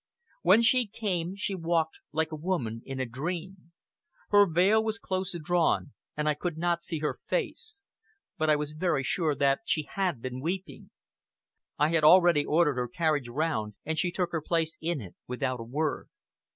When she came, she walked like a woman in a dream. Her veil was close drawn, and I could not see her face; but I was very sure that she had been weeping. I had already ordered her carriage round, and she took her place in it without a word.